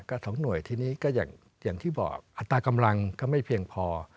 ก็สองหน่วยทีนี้ก็อย่างที่บอกอัตรากำลังก็ไม่เพียงพอ